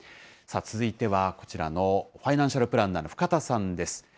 続いてはこちらのファイナンシャルプランナーの深田さんです。